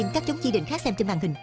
các chống chí định khác xem trên màn hình